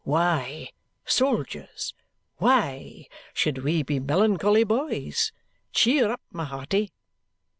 'Why, soldiers, why should we be melancholy, boys?' Cheer up, my hearty!"